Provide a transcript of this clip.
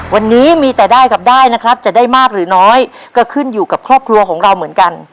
วันนี้มีแต่ได้กับได้นะครับจะได้มากหรือน้อยก็ขึ้นอยู่กับครอบครัวของเราเหมือนกัน